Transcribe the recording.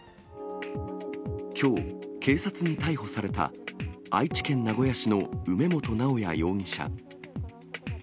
きょう、警察に逮捕された愛知県名古屋市の梅本直弥容疑者。